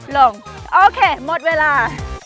ลงโอเคมัดเวลา